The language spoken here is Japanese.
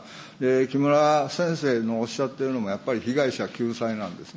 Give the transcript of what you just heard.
木村先生のおっしゃってるのもやっぱり被害者救済なんですね。